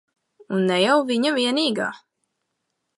Un ne jau viņa vienīgā.